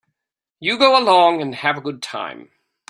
You go along and have a good time.